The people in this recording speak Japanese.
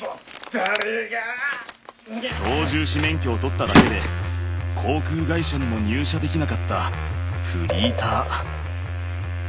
操縦士免許を取っただけで航空会社にも入社できなかったフリーター。